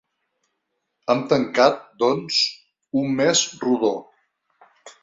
Hem tancat, doncs, un mes rodó.